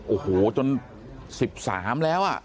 โอ้โหจน๑๓แล้ว